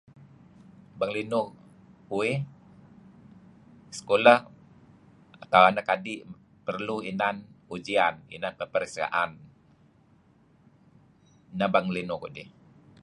Bang linuh uih sekolah atau anak adi' perlu inan ujian, inan pepereksaan, neh bang linh kudih.